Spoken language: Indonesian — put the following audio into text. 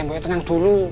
mpoknya tenang dulu